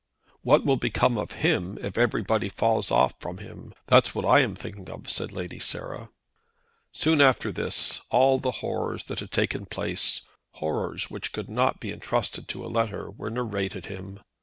"What will become of him if everybody falls off from him. That's what I am thinking of," said Lady Sarah. Soon after this all the horrors that had taken place, horrors which could not be entrusted to a letter, were narrated him.